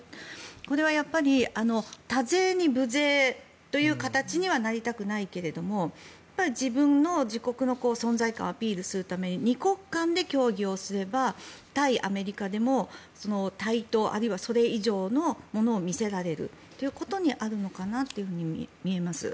これはやっぱり多勢に無勢という形にはなりたくないけれども自分の、自国の存在感をアピールするために２国間で協議をすれば対アメリカでも対等、あるいはそれ以上のものを見せられるということがあるのかなというふうに見えます。